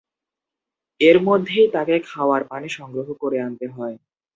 এর মধ্যেই তাঁকে খাওয়ার পানি সংগ্রহ করে আনতে হয়।